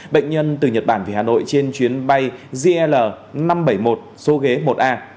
bệnh nhân từ nhật bản về hà nội trên chuyến bay gl năm trăm bảy mươi một số ghế một a